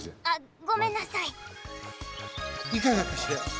あっ！